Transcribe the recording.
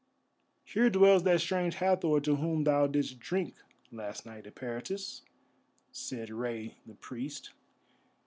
"Here dwells that Strange Hathor to whom thou didst drink last night, Eperitus," said Rei the Priest.